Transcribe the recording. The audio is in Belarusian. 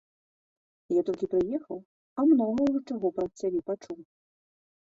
Я толькі прыехаў, а многа ўжо чаго пра цябе пачуў.